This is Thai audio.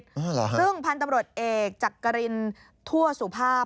เหรอฮะซึ่งพันธุ์ตำรวจเอกจักรินทั่วสุภาพ